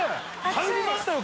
入りましたよ